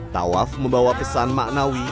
tawaf membawa pesan maknawi